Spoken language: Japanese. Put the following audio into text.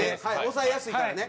押さえやすいからね。